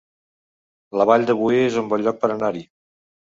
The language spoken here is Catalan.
La Vall de Boí es un bon lloc per anar-hi